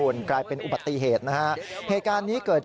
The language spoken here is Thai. อยู่ข่วนกลายเป็นอุบัติเหตุภาพจะเป็น